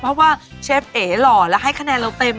เพราะว่าเชฟเอ๋หล่อแล้วให้คะแนนเราเต็ม